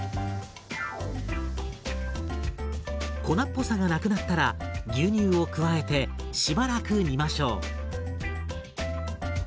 粉っぽさがなくなったら牛乳を加えてしばらく煮ましょう。